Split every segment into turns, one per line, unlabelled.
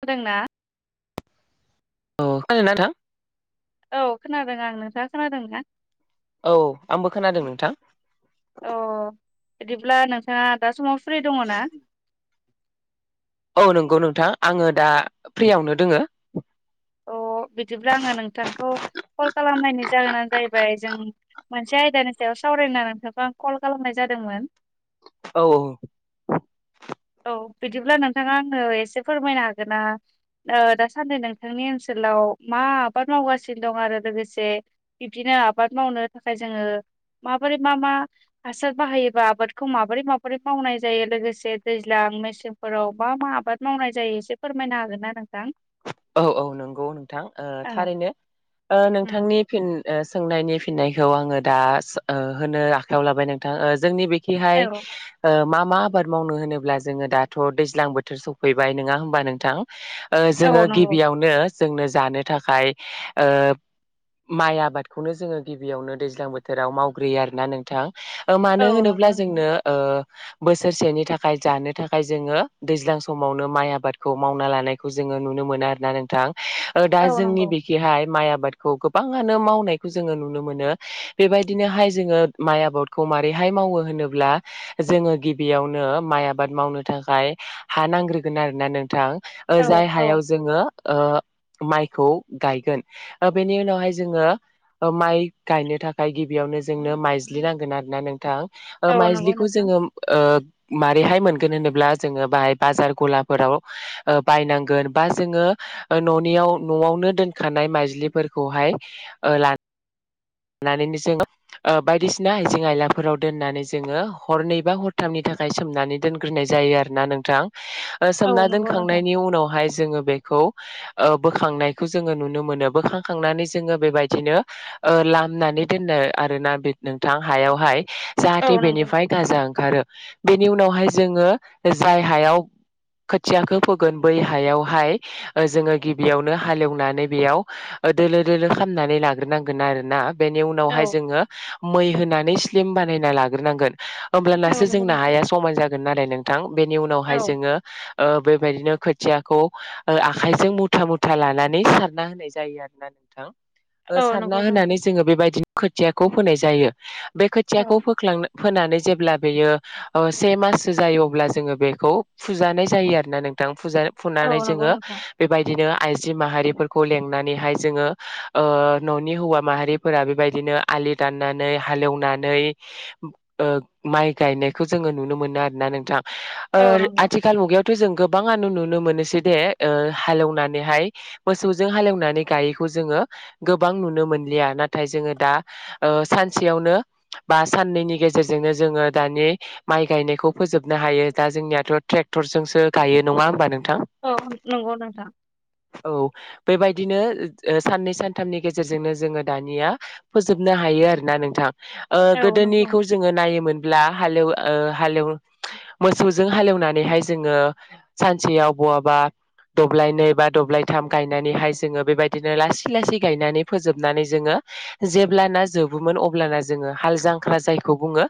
होदोंना।
औ खोनादोना नोंथां?
औ खोनादों आं नोंथाङा खोनादों ना?
औ आंबो खोनादों नोंथां।
अ बिदिब्ला नोंथाङा दा समाव फ्रि दङ ना?
औ नंगौ नोंथां आङो दा फ्रियावनो दोङो।
अ। बिदिब्ला आङो नोंथांखौ कल खालामनायनि जाहोनानो जाहैबाय जों मोनसे आयदानि सायाव सावरायना नोंथांखौ आं कल खालामनाय जादोंमोन।
औ औ।
औ बिदिब्ला नोंथाङा आंनो एसे फोरमायनो हागोन ना ओ दासानदि नोंथांनि ओनसोल लाव मा आबाद मावगासिनो दं आरो लोगोसे बिब्दिनो आबाद मावनो थाखाय जोङो माबोरै मा मा हासार बाहायोबा आबादखौ माबोरै माबोरै मावनाय जायो लोगोसे दैज्लां मेसेंफोराव मा मा आबाद मावनाय जायो एसे फोरमायनो हागोन ना नोंथां?
औ औ नंगौ नोंथां ओ
औ
थारैनो ओ
उम
नोंथांनि फिन ओ सोंनायनि फिननायखौ आङो दा ओ होनो आखायाव लाबाय नोंथां ओ जोंनि बे हाय
औ
मा मा आबाद मावनो होनोब्ला जोङो दाथ' दैज्लां बोथोर सफैबाय नोङा होमबा नोंथां। ओ जोङो
औ नंगौ
गिबियावनो जोंनो जानो थाखाय ओ माइ आबादखौनो जोङो गिबियावनो दैज्लां बोथोराव मावग्रोयो आरो ना नोंथां।
औ
मानो
नंगौ
होनोब्ला
नोंथां
जोंनो ओ बोसोरसेनि थाखाय जानो थाखाय जोङो दैज्लां समावनो माइ आबादखौ मावना लानायखौ जोङो नुनो मोन नो आरोना नोंथां ओ दा
औ
जोंनि
नंगौ
बेखैहाय माइ आ बादखौ गोबाङनो मावनायखौ जोङो नुनो मोनो बेबायदिनोहाय जोङो माइ आबादखौ मारैहाय मावो होनोब्ला जोङो गिबियावनो माइ आबाद मावनो थाखाय हा नांग्रोगोन आरोना नोंथां ओ
औ
जाय
औ
हायाव जोङो ओ माइखौ गायगोन बेनि ओ उनावहाय जोङो ओ माइ गायनो थाखाय गिबियावनो जोंनो माइज्लि नांगोन आरोना नोंथां। ओ
औ नंगौ
माइज्लिखौ
नोंथां
जोङो ओ मारैहाय मोनगोन होनोब्ला जोङो बाहाय बाजार गलाफोराव ओ बायनांगोन। बा जोङो न'नियाव न'आवनो दोनखानाय माइज्लिफोरखौहाय ओ लान नानैनो जों ओ बायदिसिना आइजें आइलाफोराव दोननानै जोङो हरनै बा हरथामनि थाख खाय सोमनानै दोनग्रोननाय जायो आरोना नोंथां ओ
औ
सोमना
नंगौ नोंथां
दोनखांनायनि उनावहाय जोङो बेखौ ओ बोखांनायखौ जोङो नुनो मोनो बोखांखांनानै जोङो बेबायदिनो ओ लाम नानै दोननो आरोना बे नोंथां हायावहाय
औ
जाहाथे
नंगौ
बेनिफ्राय गाजा ओंखारो। बेनि उनावहाय जोङो जाय हायाव खोथियाखौ फोगोन बै हायावहाय जोङो गिबियावनो हालेवनानै बेयाव ओ दोलो दोलो खालामनानै लाग्रोनांगोन आरो ना बेनि
औ
उनावहाय जोङो मै होनानै स्लिम बानायना लाग्रोनांगोन
औ
होमब्लानासो
नंगौ
जोंना
नोंथां
हाया समाय जागोन नालाय नोंथां बेनि उनावहाय
औ
जोङो ओ बेबायदिनो खोथियाखौ ओ आखाइजों मुथा मुथा लानानै सारना होनाय जायो आरो ना नोंथां ओ
औ
सारना
नंगौ
होनानै
नोंथां
जोङो बेबायदिनो खोथियाखौ फोनाय जायो बे
औ
खोथियाखौ फोख्लांनो फोनानै जेब्ला बेयो ओ से माससो जायो अब्ला जोङो बेखौ फुजानाय जायो आरोना नोंथां फुजा
औ
फुननानै
नंगौ
जोङो
नोंथां
बेबायदिनो आइजो माहारिफोरखौ लेंनानैहाय जोङो ओ न'नि हौवा माहारि फोरा बेबायदिनो आलि दाननानै हालेवनानै ओ माइ गायनायखौ जों ङो नुनो मोनो आरना नोंथां ओ
औ नंगौ
आथिखाल मुगायाव थ जों गोबाङानो नुनो मोनोसे दे ओ हालेवनानैहाय मोसौजों हालेवनानै गायैखौ जोङो गोबां नुनो मोनलिया नाथ थाय जोङो दा ओ सानसेयावनो बा साननैनि गेजेरजोंनो जोङो दानि माइ गायनायखौ फोजोबनो हायो दा जोंनियाथ' ट्रेक्टरजोंसो गायो नङा होमबा नों
अ नोंगौ नोंथां
औ बेबायदिनो ओ साननै सानथामनि गेजेरजोंनो जोङो दानि निया फोजोबनो हायो आरोना नोंथां ओ
औ नंगौ
गोदोनिखौ जोङो नायोमोन ब्ला हालेव ओ हालेव मोसौजों हालेवनानैहाय जोङो सानसेयाव बहाबा दब्लाय नै बा दब्लायथाम गायनानैहाय जोङो बेबायदिनो लासै लासै गायनानै फोजोबनानै जोङो जेब्लाना जोबोमोन अब्लाना जोङो हाल जांख्रा जायखौ बुङो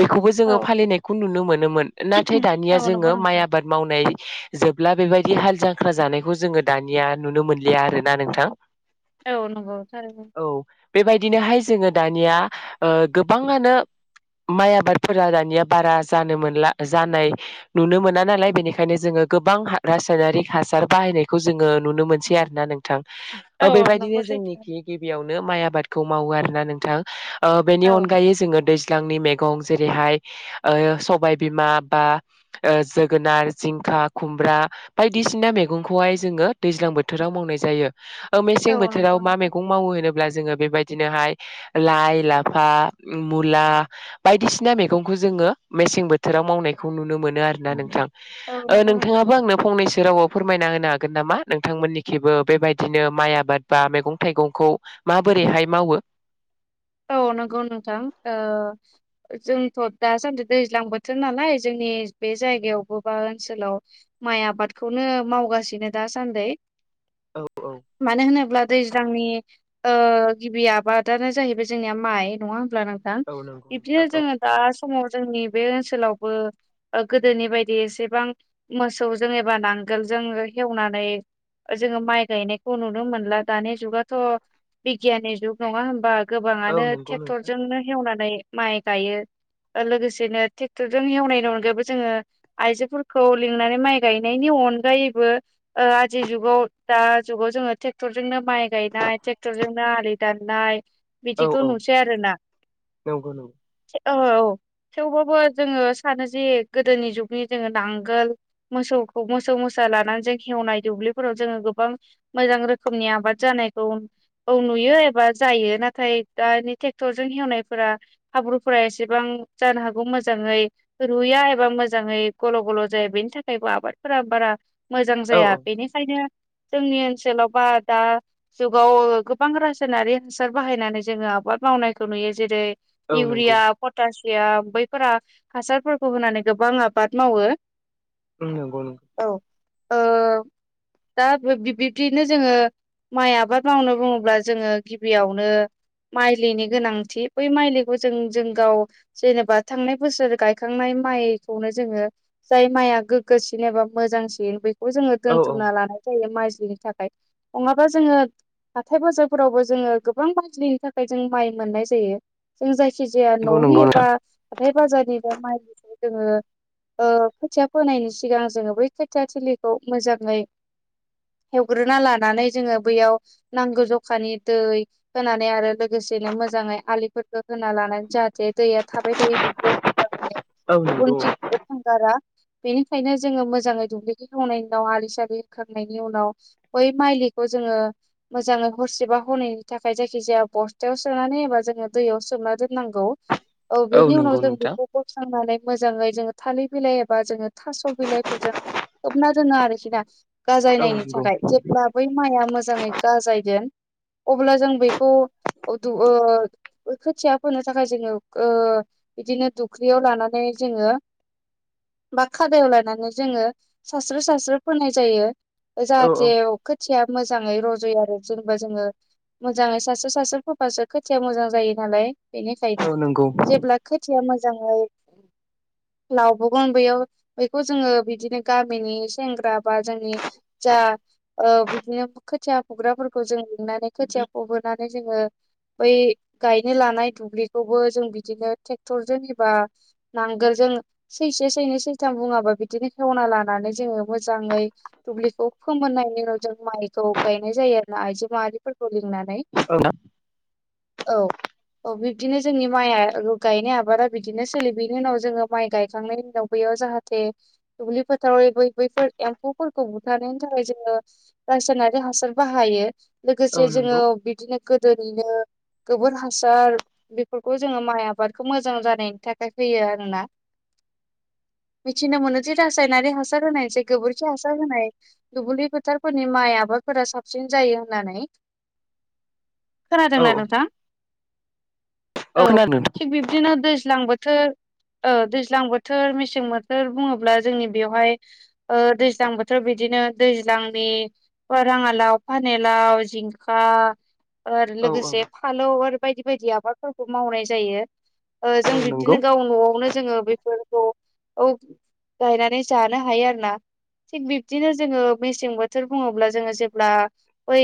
बेखौबो
औ
जोङो फालिनायखौ नुनो मोनोमोन नाथाय दानिया
औ नंगौ
जोङो माइ
नोंथां
आबाद मावनाय जोब ब्ला बेबादि हाल जांख्रा जानायखौ जोङो दानिया नुनो मोनलिया आरोना नोंथां
औ नंगौ सार
औ बेबायदिनोहाय जोङो दानिया ओ गोबाङानो माइ आबादफोरा दानिया बारा जानो मोनला जानाय नुनो मोना नालाय बेनिखायनो जोङो गोबां रासायनारिक हासार बाहायनायखौ जोङो नुनो मोनसै आरो ना नोंथां ओ
औ
बेबायदिनो
नंगौ सैथो
जोंनिखि गिबियावनो माइ आबादखौ मावो आरो ना नोंथां ओ बेनि
औ
अनगायै जोङो दैज लांनि मैगं जेरैहाय ओ सबायबिमा बा जोगोनार जिं खा खुमब्रा बायदिसिना मैगंखौहाय जोङो दैज्लां बोथोराव मावनाय जायो ओ मेसें
औ नंगौ
बोथोराव मा
नोंथां
मैगं मावो होनोब्ला जोङो बेबायद दिनोहाय लाइ लाफा मुला बायदिसिना मैगंखौ जोङो मे सें बोथोराव मावनायखौ नुनो मोनो आरोना नोंथां
औ
ओ
नंगौ नोंथां
नोंथाङाबो आंनो फंनैसो जेरावबो फोरमायना होनो हागोन नामा नोंथांमोननिखिबो बेबायदिनो माइ आबाद बा मेगं थाइगंखौ माबोरैहाय मावो
औ नोंगौ नोंथां ओ जोंथ दासान्दि दैज्लां बोथोर नालाय जों नि बे जायगायावबो बा ओनसोलाव माइ आबादखौनो मावगासिनो दासान्दै
औ औ
मानो होनोब्ला दैज्लांनि ओ गिबि आबादानो जाहैबाय जोंनिया माइ नङा होनब्ला नोंथां
औ नंगौ
बिबदिनो
नोंथां
जोङो दा समाव जोंनि बे ओनसोलावबो ओ गोदोनि बायदि एसेबां मोसौ जों एबा नां गोलजों हेवनानै जोङो माइ गायनायखौ नुनो मोनला दानि जुगाथ' बिगियननि जुग नङा होनबा
औ
गोबाङानो
नंगौ नोंथां
टेक्टरजोंनो हेवनानै माइ गायो लोगोसेनो टेक्टरजों हेवनायनि अनगायबो जोङो आइजोफोरखौ लिंनानै माइ गायनायनि अनगायैबो ओ आजि जुगाव दा जुगाव जोङो टेक्टर जोंनो माइ गायनाय टेक्टर जोंनो आलि दाननाय
औ
बिदिखौ
औ
नुसै आरोना
नंगौ नंगौ
औ औ थेवबाबो जोङो सानो जे गोदोनि जुगनि जोङो नांगोल मोसौखौ मोसौ मोसौ सा लानानै जों खेवनाय दुब्लिफोराव जोङो गोबां मोजां रोखोमनि आबाद जानायखौ औ नु नुयो एबा जायो नाथाय दानि टेक्टरजों हेवनायफोरा हाब्रुफोरा एसेबां जानो हागौ मोजाङै रुया एबा मोजाङै गल' गल' जाया बेनि थाखायबो आबादफोरा बारा मोजां
औ
जाया बेनिखायनो जोंनि ओनसोलाव बा दा जुगाव गोबां रासायनारि ओनसोल सार बाहायनानै जोङो आबाद मावनायखौ नुयो जेरै
औ
इउरिया
नंगौ
पटास या बैफोरा हासारफोरखौ होनानै गोबां आबाद मावो
उंगनो
औ दा बिब्दिनो जोङो माइ आबाद मावनो बुङोब्ला जोङो फबियावनो माइलिनि गोनांथि बै माइलिखौ जों जों गाव जेनेबा थांनाय बोसोर गायखांनाय माइखौनो जोङो जाय माइआ गोग्गोसिन एबा मोजांसिन बे जोो
औ
दोनथुमना
औ
लानाय जायो माइलिनि थाखाय नङाबा जोङो हाथाय बाजाफोरावबो जोङो गोबां मानलिनि थाखाय जों माइ मोननाय जायो जों जायखि जाया
नंगौ
न'नि
नंगौ
एबा
नोंथां
बे बाजारनिनो माइनिखौ जोङो खोथिया फोनायनि सिगां जोङो बै खोथिया थलिखौ मोजाङै हवग्रोना लानानै जोङो बैयाव नांगौ जखानि दै होनानै आरो लोगोसेनो मोजाङै आलिफोरखौ होना लानानै जाहाथे जे दैया थाबाय थायो दुब्लियाव मोजाङ मोनो
औ
गुबुन
नंगौ
थ थांगारा बेनिखायनो जोङो मोजाङै दुब्लिख खांनायनि उनाव आलि सलि होखांनायनि उनाव बै माइलिखौ जों मोजाङै हरसेबा हैनि थाखाय जायखि जाया बस्थायाव सोनानै एबा जोङो दैयाव सोनना दोननांगौ औ बेनि उनाव
नंगौ
जों
नोंथां
बेखौ बोस्रांनानै मोजाङै जोङो थालिर बिलाइ एबा जोङो थास'ल बिलाइफोरजों होबना दोनङो आरोखि ना
औ
गाजायनायनि
नंगौ
थाखाय जेब्ला बै माइआ मोजाङै गाजायगोन अब्ला जों बेखौ खोथिया फोनो थाखाय जोङो बिदिनो दुखलियाव लानानै जोङो बा खादायाव लानानै जोङो सस्र्रि सास्र्रि फोनाय जायो
औ
जाहाथे खोथिया मोजाङै रज'यो आरो जों जोङो मोजाङै सासे सासे फबासो खोथाया मोजां जायो नालाय बेनिखायनो
औ नंगौ
जेब्ला खोथिया मोजाङै लावबोगोन बेयाव बेखौ जोङो बिदिनो गामिनि सेंग्रा बा जोंनि जा बिदिनो खोथिया फुग्राफोरखौ जों लिंनानै खोथिया फबोनानै जोङो बै गायनो लानाय दुब्लिखौबो जों बिदिनो ट्रेक्टरजों एबा नांगोलजों जों सैसे सैनै सैथाम बुङाबा बिदिनो खेवना लानानै जोङो मोजाङै दुब्लिखौ खोमोननायनि उनाव जों माइखौ गायनाय जायो आइजो माहारिफोरखौ लिंनानै
औ
औ अ बिब्दिनो जोंनि माइ गायनाय आबादा बिदिनो सोलियो बेनि उनाव जोङो माइ गायखांनायनि उनाव बैयाव जाहाथे दुब्लि फोथारावैफोर एम्फौफोरखौ बुथारनायनि थाखाय जोङो र हासार बाहायो
औ
लोगोसे जोङो
नंगौ
बिदिनो गोदोनिनो गोबोर हासार बेफोरखौ जोङो माइ आबादखौ मोजां जानायनि थाखाय होयो आरोना [unintelligible] मिथिनो मोनो जे रासायनारि हासार होनाय जे गोबोरखि हासार होनाय दुब्लि फोथारफोरनि माइ आबाद ाबाफोरा साबसिन जायो होननानै
औ
खोनादोंना नोंथां औ
खोनादों नोंथां
थिग बिब्दिनो दैज्लांबो खो दैज्लां बोथोर मेसें बोथोर बुङोब्ला जोंनि बेवहाय दैज्लां बोथोर बिदि बिदिनो दैज्लांनि अ राङालाव पानिलाव जिंखा आरो ओ
औ औ
लोगोसे फालौ आरो बायदि बायदि आबादफोरखौ मावनाय जायो ओ जों
औ नंगौ
बिदिनो गाव न'आवनो जोङो बे फोरखौ औ गायनानै जानो हायो आरो ना। थिग बिब्दिनो जोङो मेसें बोथोर बुङोब्ला जोङो जेब्ला बै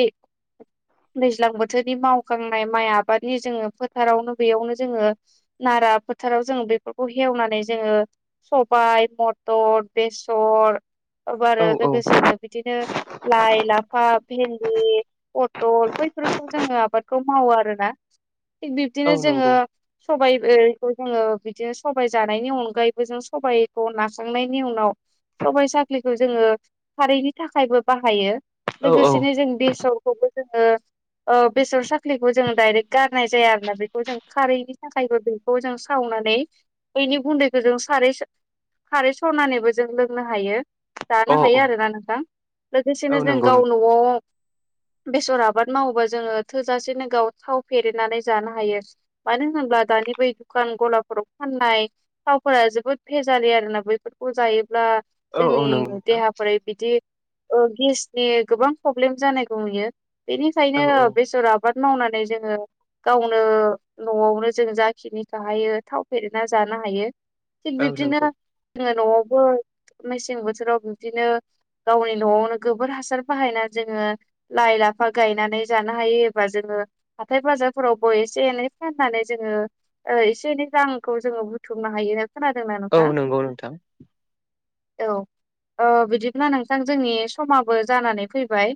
दैज्लां बोथोरनि मावखांनाय माइ आबादनि जोङो फोथारावनो बेयावनो जोङो नारा फोथाराव जों बेफोरखौ हेवनानै जोङो सबाय, मथर, बेसर औ आरो लोगोसेनो बिदिनो लाइ लाफा भिन्दि फथल बैफोरखौ जोङो आबादखौ मावो आरोना। थिग
औ
बिब्दिनो जोङो
नंगौ
सबाइबो खौ जोङो बिदिनो सबाइ जानायनि अनगायैबो जों सबाइखौ नास्रांनायनि उनाव सबाइ साख्लिखौ जोङो खारैनि थाखायबो बाहायो।
औ औ।
लोगोसेनो जों बेसरखौबो जोङो ओ बेसर साख्लिखौ जों डाइरेक्ट गारनाय जाया आरो ना बेखौ जों खारैनि थाखायबो बेखौ जों साव नानै बैनि गुन्दैखौ जों सारै सा-खारै सरनानैबो जों लोंनो हायो
औ
जानो हायो आरोना नोंथां।
औ
लोगोसेनो जों
नंगौ
गावनो
नोंथां
[unintelligible] बेसर आबाद मावोबा जोङो थोजासेनो गाव थाव फेरेदनानै जानो हायो मानो होनोब्ला दानि बै दुखान गलाफोराव फाननाय थावफोरा जोबोद भेजालि आरोना बैफोरखौ जायोब्ला
औ औ नंगौ
जोंनि
नोंथां
देहाफोरा बिदि ओ गेसटिक गोबां प्रब्लेम जानायखौ नुयो
औ
बेनिखायनो
औ
बेसर आबाद मावनानै जोङो गावनो न'आवनो जों जाखिनिखोहायो थाव फेरेदना जानो हायो। थिग
औ
बिद्बिनो
नंगौ
जोङो न'आवबो मेसें बोथोराव बिब्दिनो गावनि न'आवनो गोबोर हासार बाहायनानै जोङो लाइ लाफा गायनानै जानो हायो एबा जोङो हाथाइ बाजारफोरावबो ए से एनै फाननानै जोङो ओ एसे एनै रांखौ जोङो बुथुमनो हायो। खोनादोंना
औ
नोंथां
नंगौ नोंथां।
औ ओ बिदिब्ला नोंथां जोंनि समाबो जानानै फैबाय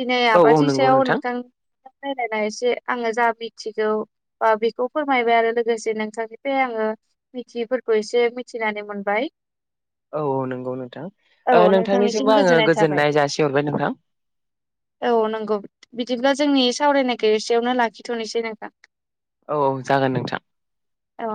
दिनै
औ औ
आबादनि
नंगौ
सायाव नोंथां रायलायनाय एसे आङो जा मिथिगौ बा बेखौ फोरमायबाय आरो लोगोसे नोंथांनिफ्राय आङो मिथियैफोरखौ एसे मिथिनानै मोनबाय।
औ औ नंगौ नोंथां
औ
ओ
नोंथांनिसिम
नोंथांनिसिमबो आङो
थाबाय
गोजोननाय जासिहर
औ नंगौ बिदिब्ला जोंनि सावरायनायखौ एसेयावनो लाखिथ'नोसै नोंथां।
औ औ जागोन नोंथां।
औ।